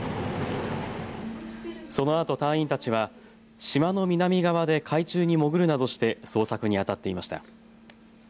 そのあと隊員たちは島の南側で海中に潜るなどして捜索に当たっていました。